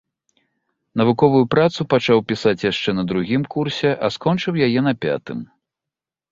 Навуковую працу пачаў пісаць яшчэ на другім курсе, а скончыў яе на пятым.